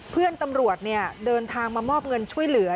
เพื่อนตำรวจเดินทางมามอบเงินช่วยเหลือ